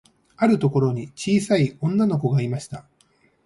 あるところに、ちいさい女の子がいました。